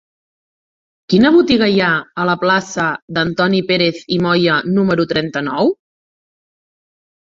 Quina botiga hi ha a la plaça d'Antoni Pérez i Moya número trenta-nou?